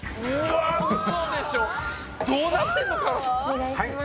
よしお願いします。